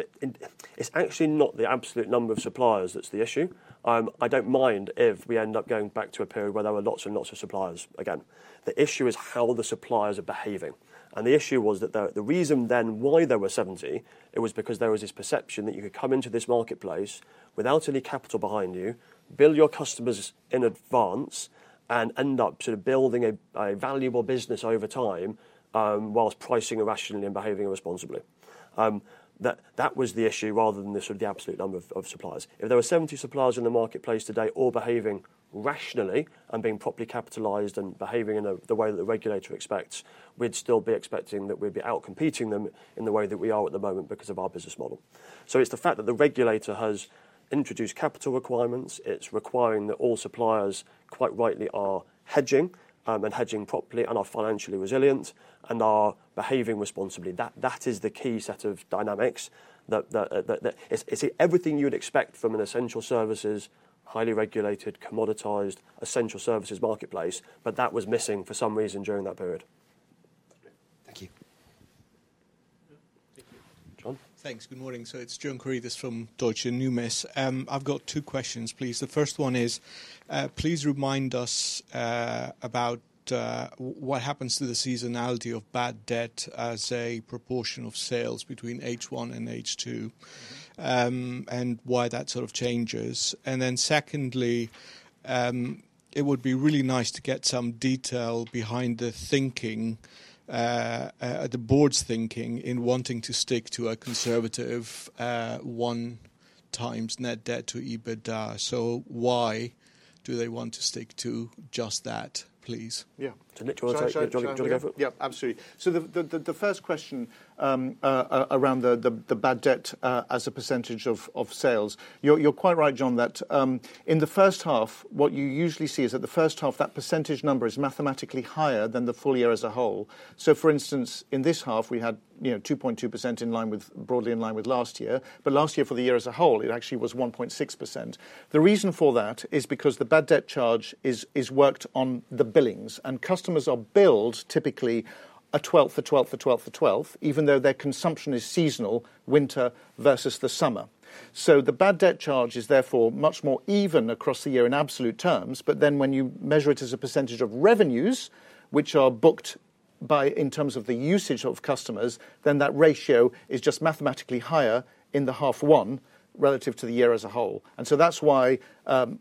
it's actually not the absolute number of suppliers that's the issue. I don't mind if we end up going back to a period where there were lots and lots of suppliers again. The issue is how the suppliers are behaving. And the issue was that the reason then why there were 70, it was because there was this perception that you could come into this marketplace without any capital behind you, build your customers in advance, and end up sort of building a valuable business over time whilst pricing rationally and behaving responsibly. That was the issue rather than the absolute number of suppliers. If there were 70 suppliers in the marketplace today all behaving rationally and being properly capitalized and behaving in the way that the regulator expects, we'd still be expecting that we'd be outcompeting them in the way that we are at the moment because of our business model. So it's the fact that the regulator has introduced capital requirements. It's requiring that all suppliers quite rightly are hedging and hedging properly and are financially resilient and are behaving responsibly. That is the key set of dynamics. It's everything you would expect from an essential services, highly regulated, commoditized essential services marketplace, but that was missing for some reason during that period. Thank you. John? Thanks. Good morning. So it's John Karidis from Deutsche Numis. I've got two questions, please. The first one is, please remind us about what happens to the seasonality of bad debt as a proportion of sales between H1 and H2 and why that sort of changes. And then secondly, it would be really nice to get some detail behind the thinking, the board's thinking in wanting to stick to a conservative one times net debt to EBITDA. So why do they want to stick to just that, please? Yeah. John. Yeah, absolutely. So the first question around the bad debt as a percentage of sales, you're quite right, John, that in the first half, what you usually see is that the first half, that percentage number is mathematically higher than the full year as a whole. So for instance, in this half, we had 2.2% broadly in line with last year, but last year for the year as a whole, it actually was 1.6%. The reason for that is because the bad debt charge is worked on the billings, and customers are billed typically a 12th, a 12th, a 12th, a 12th, even though their consumption is seasonal, winter versus the summer. So the bad debt charge is therefore much more even across the year in absolute terms. But then when you measure it as a percentage of revenues, which are booked in terms of the usage of customers, then that ratio is just mathematically higher in the half one relative to the year as a whole. And so that's why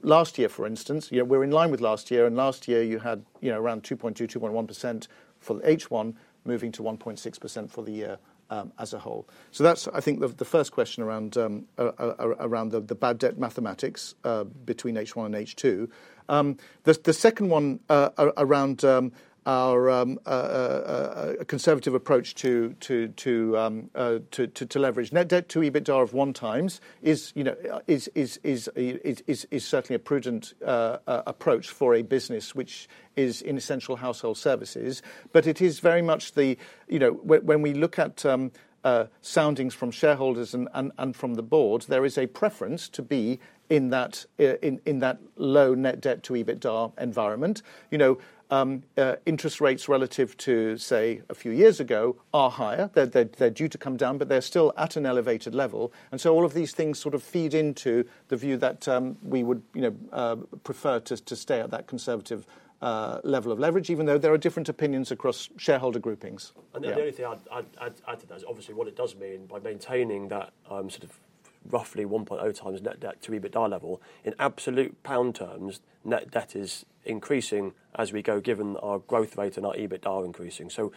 last year, for instance, we're in line with last year, and last year you had around 2.2%-2.1% for H1 moving to 1.6% for the year as a whole. So that's, I think, the first question around the bad debt mathematics between H1 and H2. The second one around our conservative approach to leverage net debt to EBITDA of one times is certainly a prudent approach for a business which is in essential household services. But it is very much the when we look at soundings from shareholders and from the board, there is a preference to be in that low net debt to EBITDA environment. Interest rates relative to, say, a few years ago are higher. They're due to come down, but they're still at an elevated level. And so all of these things sort of feed into the view that we would prefer to stay at that conservative level of leverage, even though there are different opinions across shareholder groupings. And the only thing I'd add to that is obviously what it does mean by maintaining that sort of roughly 1.0 times net debt to EBITDA level. In absolute pound terms, net debt is increasing as we go, given our growth rate and our EBITDA increasing. So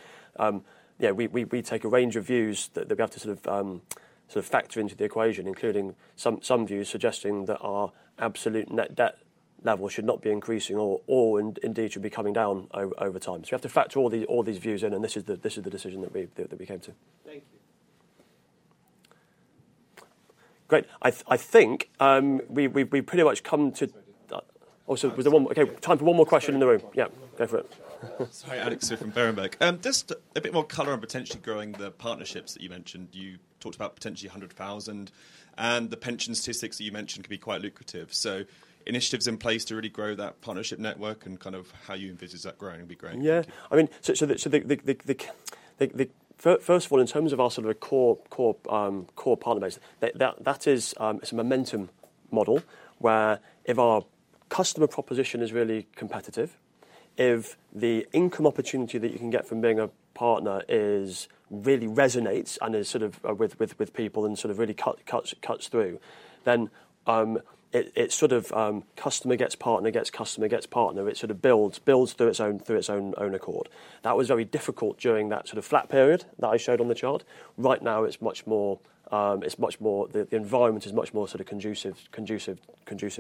yeah, we take a range of views that we have to sort of factor into the equation, including some views suggesting that our absolute net debt level should not be increasing or indeed should be coming down over time. So we have to factor all these views in, and this is the decision that we came to. Thank you. Great. I think we pretty much come to also time for one more question in the room. Yeah, go for it. Sorry, Alex here from Berenberg. Just a bit more color on potentially growing the partnerships that you mentioned. You talked about potentially 100,000, and the pension statistics that you mentioned could be quite lucrative, so initiatives in place to really grow that partnership network and kind of how you envisage that growing would be great. Yeah. I mean, so first of all, in terms of our sort of core partner base, that is a momentum model where if our customer proposition is really competitive, if the income opportunity that you can get from being a partner really resonates and is sort of with people and sort of really cuts through, then it's sort of customer gets partner, gets customer, gets partner. It sort of builds through its own accord. That was very difficult during that sort of flat period that I showed on the chart. Right now, it's much more. The environment is much more sort of conducive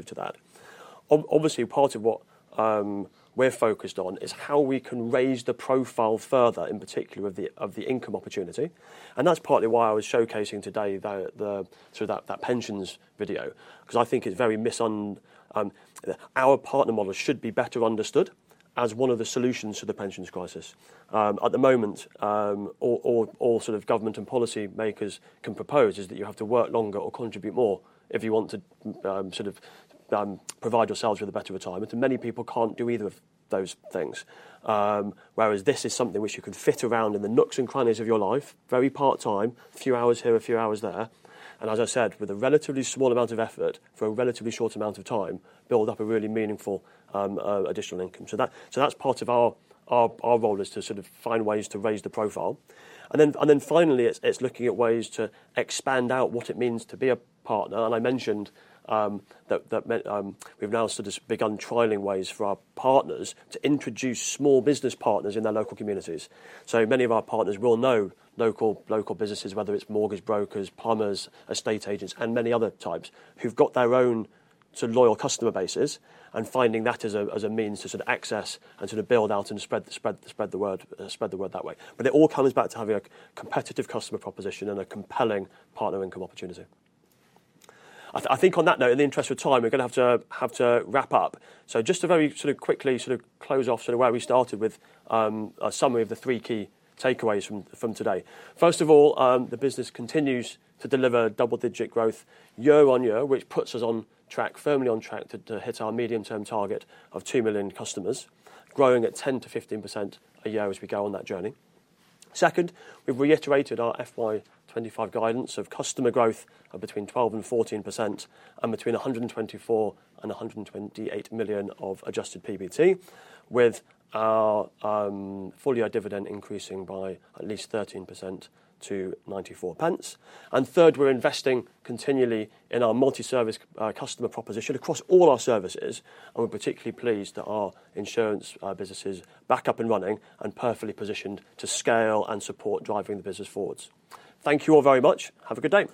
to that. Obviously, part of what we're focused on is how we can raise the profile further, in particular of the income opportunity, and that's partly why I was showcasing today sort of that pensions video, because I think it's very misunderstood. Our partner model should be better understood as one of the solutions to the pensions crisis. At the moment, all sort of government and policymakers can propose is that you have to work longer or contribute more if you want to sort of provide yourselves with a better retirement, and many people can't do either of those things. Whereas this is something which you can fit around in the nooks and crannies of your life, very part-time, a few hours here, a few hours there, and as I said, with a relatively small amount of effort for a relatively short amount of time, build up a really meaningful additional income, so that's part of our role is to sort of find ways to raise the profile, and then finally, it's looking at ways to expand out what it means to be a partner. I mentioned that we've now sort of begun trialing ways for our partners to introduce small business partners in their local communities. So many of our partners will know local businesses, whether it's mortgage brokers, plumbers, estate agents, and many other types who've got their own sort of loyal customer bases and finding that as a means to sort of access and sort of build out and sort of spread the word that way. But it all comes back to having a competitive customer proposition and a compelling partner income opportunity. I think on that note, in the interest of time, we're going to have to wrap up. Just to very sort of quickly sort of close off sort of where we started with a summary of the three key takeaways from today. First of all, the business continues to deliver double-digit growth year on year, which puts us firmly on track to hit our medium-term target of 2 million customers, growing at 10%-15% a year as we go on that journey. Second, we've reiterated our FY25 guidance of customer growth of between 12% and 14% and between 124 and 128 million of adjusted PBT, with our full-year dividend increasing by at least 13% to 0.94. And third, we're investing continually in our multi-service customer proposition across all our services. And we're particularly pleased that our insurance business is back up and running and perfectly positioned to scale and support driving the business forwards. Thank you all very much. Have a good day.